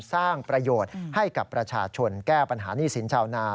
สร้างประโยชน์ให้กับประชาชนแก้ปัญหานี่สินชาวนา